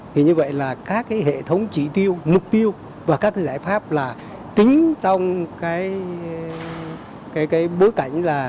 thì như vậy là các cái hệ thống chỉ tiêu mục tiêu và các cái giải pháp là tính trong cái bối cảnh là